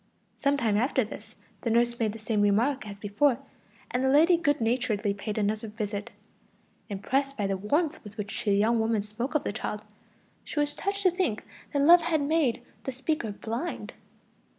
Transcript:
Some time after this the nurse made the same remark as before, and the lady good naturedly paid another visit; impressed by the warmth with which the young woman spoke of the child, she was touched to think that love had made the speaker blind.